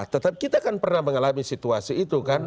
tetap kita kan pernah mengalami situasi itu kan